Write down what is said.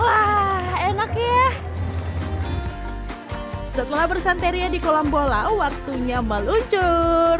wah enak ya setelah bersanteria di kolam bola waktunya meluncur